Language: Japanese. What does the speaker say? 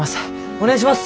お願いします！